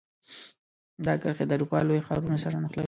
دا کرښې د اروپا لوی ښارونو سره نښلوي.